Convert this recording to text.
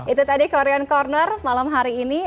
itu tadi korean corner malam hari ini